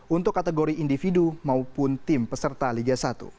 untuk kategori individu maupun tim peserta liga satu